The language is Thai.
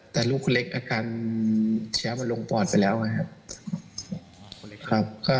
แต่ลูกคุณเล็กอาการเชื้อมันลงปอดไปแล้วไงครับ